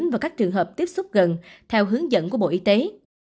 và các trường hợp tiếp xúc gần theo hướng dẫn của bộ y tế